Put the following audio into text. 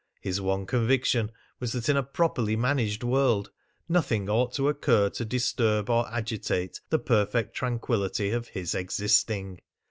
His one conviction was that in a properly managed world nothing ought to occur to disturb or agitate the perfect tranquillity of his existing.